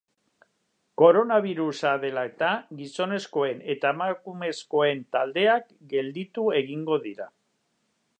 Koronabirusa dela eta gizonezkoen eta emakumezkoen taldeak gelditu egingo dira.